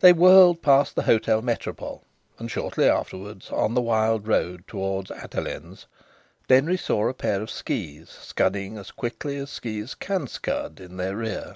They whirled past the Hôtel Métropole. And shortly afterwards, on the wild road towards Attalens, Denry saw a pair of skis scudding as quickly as skis can scud in their rear.